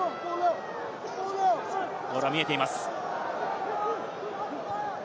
ボールは見えています。